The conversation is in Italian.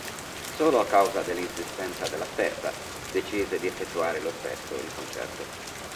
Solo a causa dell'insistenza della stessa, decise di effettuare lo stesso il concerto.